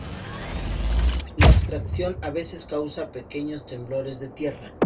La extracción a veces causa pequeños temblores de tierra.